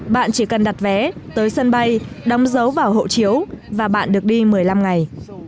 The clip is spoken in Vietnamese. bạn chỉ cần đặt vé tới sân bay đóng dấu vào hộ chiếu và bạn được đi một mươi năm ngày